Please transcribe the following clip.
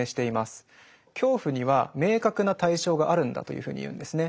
「恐怖」には明確な対象があるんだというふうに言うんですね。